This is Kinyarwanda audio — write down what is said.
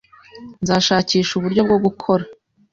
Nzashakisha uburyo bwo gukora.